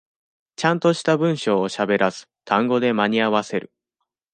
ちゃんとした文章をしゃべらず、単語で間に合わせる。